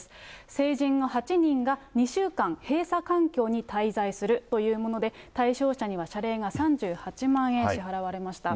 成人の８人が２週間、閉鎖環境に滞在するというもので、対象者には謝礼が３８万円支払われました。